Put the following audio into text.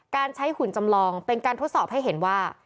การใช้หุ่นจำลองเป็นการทดสอบให้เห็นว่า